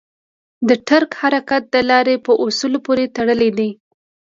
د ټرک حرکت د لارې په اصولو پورې تړلی دی.